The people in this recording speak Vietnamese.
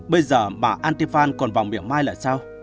bây giờ mà antifan còn vòng miệng mai là sao